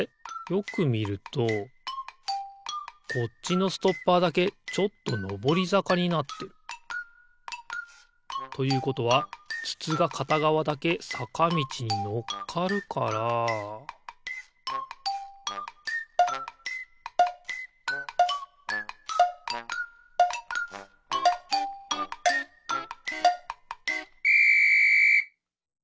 よくみるとこっちのストッパーだけちょっとのぼりざかになってる。ということはつつがかたがわだけさかみちにのっかるからピッ！